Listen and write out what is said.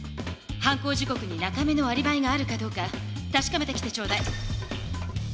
犯行時刻に中目のアリバイがあるかどうかたしかめてきてちょうだい。